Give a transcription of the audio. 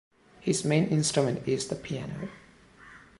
His main instrument is the piano.